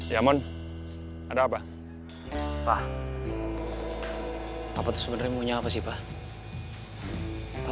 ia buat cyber woman